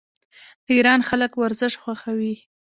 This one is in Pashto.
د ایران خلک ورزش خوښوي.